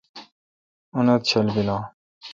انت چل بیل ان